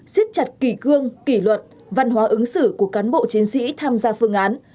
xếp chặt kỳ cương kỷ luật văn hóa ứng xử của cán bộ chiến sĩ tham gia phương án